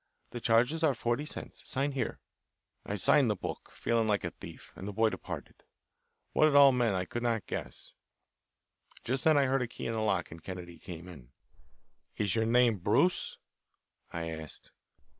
The charges are forty cents. Sign here." I signed the book, feeling like a thief, and the boy departed. What it all meant I could not guess. Just then I heard a key in the lock, and Kennedy came in. "Is your name Bruce?" I asked.